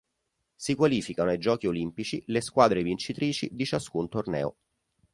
Si qualificano ai Giochi olimpici le squadre vincitrici di ciascun torneo.